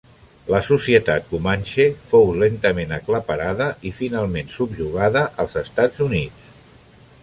La societat comanxe fou lentament aclaparada i finalment subjugada als Estats Units.